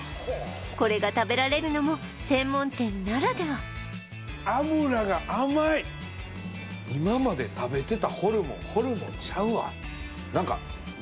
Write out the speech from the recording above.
これが食べられるのも専門店ならでは今まで食べてたホルモンホルモンちゃうわ